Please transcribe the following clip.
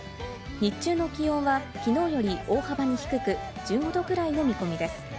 日中の気温は、きのうより大幅に低く、１５度くらいの見込みです。